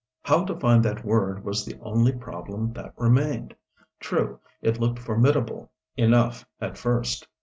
How to find that word was the only problem that remained. True, it looked formidable enough at first.